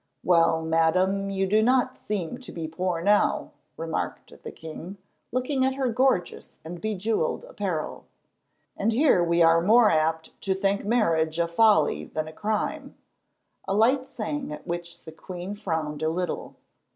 "Well, Madam, you do not seem to be poor now," remarked the king, looking at her gorgeous and bejewelled apparel; "and here we are more apt to think marriage a folly than a crime," a light saying at which the queen frowned a little.